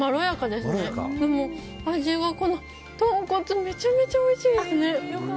でも、豚骨の味がめちゃめちゃおいしいですね。